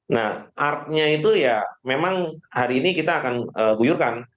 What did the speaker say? nah artnya itu ya memang hari ini kita akan guyurkan